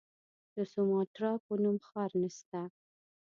د سوماټرا په نوم ښار نسته.